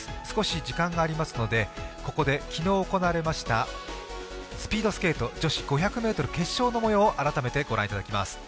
少し時間がありますのでここで昨日行われましたスピードスケート女子５００ｍ決勝の模様を改めて御覧いただきます。